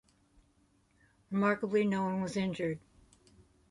Remarkably, no one was injured.